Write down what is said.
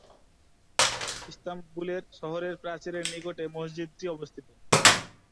ইস্তাম্বুলের শহরের প্রাচীরের নিকটে মসজিদটি অবস্থিত।